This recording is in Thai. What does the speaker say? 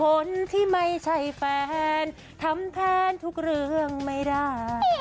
คนที่ไม่ใช่แฟนทำแทนทุกเรื่องไม่ได้